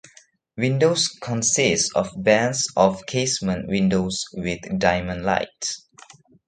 Windows consist of bands of casement windows with diamond lights.